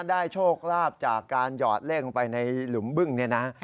ได้โชคลาบจากการหยอดเลขเข้าไปในหลุมบึ้งนี่นะ